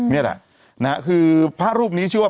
นี่แหละคือพระรูปนี้ชื่อว่า